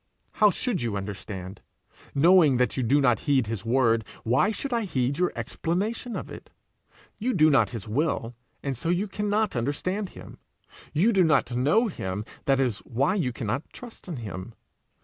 How should you understand? Knowing that you do not heed his word, why should I heed your explanation of it? You do not his will, and so you cannot understand him; you do not know him, that is why you cannot trust in him.